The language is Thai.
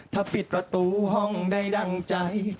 ถ้าปิดประตูห้องได้ดั่งใจ